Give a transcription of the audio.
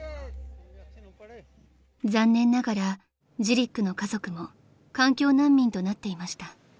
［残念ながらジリックの家族も環境難民となっていました］